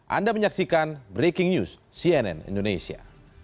anda menyaksikan breaking news cnn indonesia